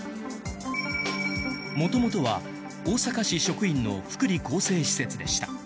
元々は大阪市職員の福利厚生施設でした。